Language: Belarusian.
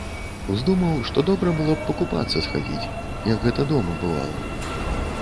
Уздумаў, што добра б было пакупацца схадзіць, як гэта дома бывала.